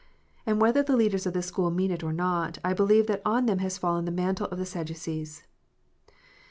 And, whether the leaders of this school mean it or not, I believe that on them has fallen the mantle of the Sadducees.